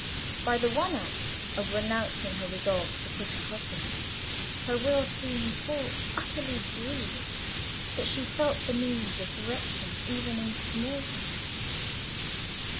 By the one act of renouncing her resolve to quit her husband, her will seemed so utterly bruised that she felt the need of direction even in small things.